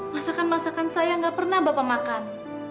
masakan masakan saya gak pernah bapak makan